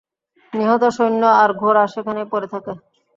নিহত সৈন্য আর ঘোড়া সেখানেই পড়ে থাকে।